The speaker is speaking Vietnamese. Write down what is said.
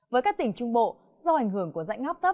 với các tỉnh trung bộ do ảnh hưởng của dãy ngắp thấp